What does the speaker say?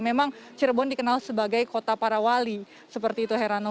memang cirebon dikenal sebagai kota para wali seperti itu herano